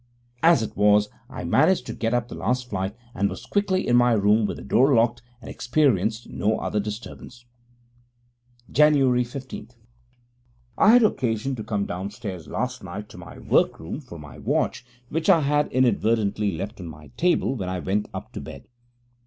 As it was, I managed to get up the last flight, and was quickly in my room with the door locked, and experienced no other disturbance. Jan. 15 I had occasion to come downstairs last night to my workroom for my watch, which I had inadvertently left on my table when I went up to bed.